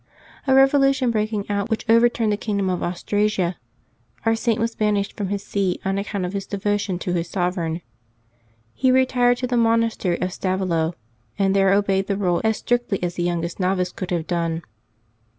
A revolution breaking out which overturned the kingdom of Austrasia, our Saint was banished from his see on account of his devotion to his sovereign. He retired to the monastery of Stavelo, and there obeyed the rule as strictly as the youngest novice could have done.